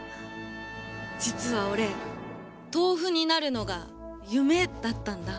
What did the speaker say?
実は俺豆腐になるのが夢だったんだ。